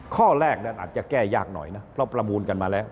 ข้อแรกนั้นอาจจะแก้ยากหน่อยนะเพราะประมูลกันมาแล้ว